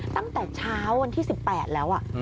ตั้งแต่เช้าวันที่สิบแปดแล้ว